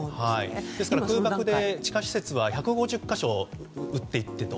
ですから空爆で地下施設は１５０か所ほど撃っていってと。